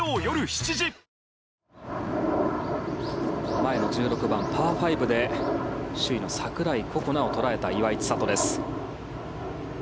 前の１６番、パー５で首位の櫻井心那を捉えた岩井千怜です。